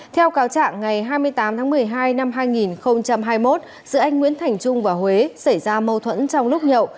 theo cáo trạng ngày hai mươi tám tháng một mươi hai năm hai nghìn hai mươi một giữa anh nguyễn thành trung và huế xảy ra mâu thuẫn trong lúc nhậu